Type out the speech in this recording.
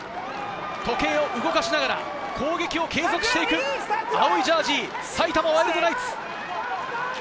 時計を動かしながら攻撃を継続していく青いジャージー・埼玉ワイルドナイツ。